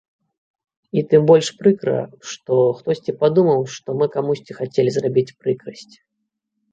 І тым больш прыкра, што хтосьці падумаў, што мы камусьці хацелі зрабіць прыкрасць.